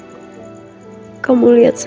untuk memulai hidup baru